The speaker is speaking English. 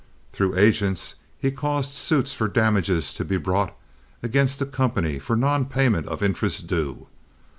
Through agents he caused suits for damages to be brought against the company for non payment of interest due.